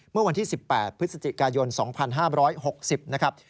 เมื่อวันที่๑๘พฤศจิกายน๒๕๖๐นะครับ